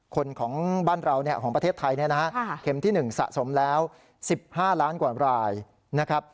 คนของบ้านเราของประเทศไทยเข็มที่๑สะสมแล้ว๑๕ล้านกว่ารายนะครับ